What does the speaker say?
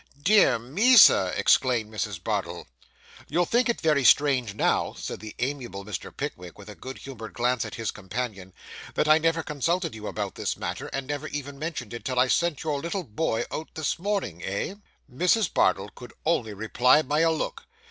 'Dear me, sir,' exclaimed Mrs. Bardell. 'You'll think it very strange now,' said the amiable Mr. Pickwick, with a good humoured glance at his companion, 'that I never consulted you about this matter, and never even mentioned it, till I sent your little boy out this morning eh?' Mrs. Bardell could only reply by a look.